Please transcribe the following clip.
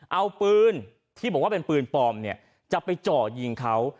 เอาปืนที่บอกว่าเป็นปืนปลอมเนี่ยจะไปเจาะยิงเขา